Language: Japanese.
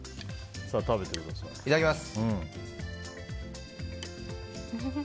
いただきます。